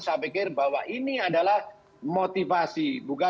saya pikir bahwa ini adalah motivasi